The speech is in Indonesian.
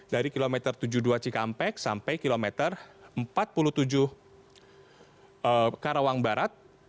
dari kilometer tujuh puluh dua cikampek sampai kilometer empat puluh tujuh karawang barat